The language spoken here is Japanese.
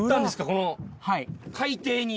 この海底に。